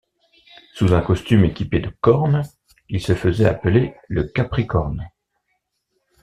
Sous un costume équipé de cornes, il se faisait appeler le Capricorne.